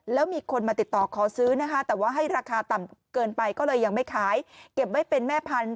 แล้วมีคนมาติดต่อขอซื้อนะคะแต่ว่าให้ราคาต่ำเกินไปก็เลยยังไม่ขายเก็บไว้เป็นแม่พันธุ